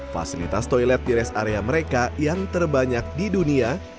fasilitas toilet di rest area mereka yang terbanyak di dunia